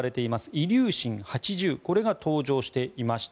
イリューシン８０これが登場していました。